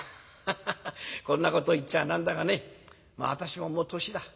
こんなこと言っちゃ何だがね私ももう年だ。